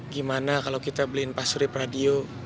gimana kalau kita beliin pak surip radio